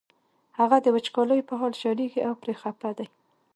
هغه د وچکالۍ په حال ژړېږي او پرې خپه دی.